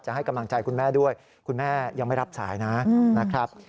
ให้กำลังใจคุณแม่ด้วยคุณแม่ยังไม่รับสายนะครับ